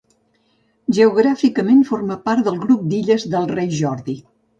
Geogràficament forma part del grup d'illes del Rei Jordi.